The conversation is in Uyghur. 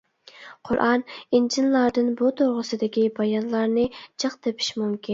قۇرئان، ئىنجىللاردىن بۇ توغرىسىدىكى بايانلارنى جىق تېپىش مۇمكىن.